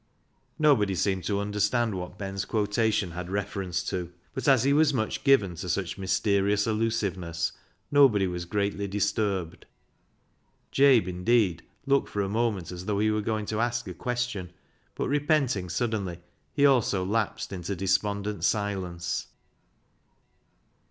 20 BECKSIDE LIGHTS Nobody seemed to understand what Ben's quotation had reference to, but, as he was much given to such mysterious allusiveness, nobody was greatly disturbed. Jabe, indeed, looked for a moment as though he were going to ask a question, but repenting suddenly, he also lapsed into despondent silence.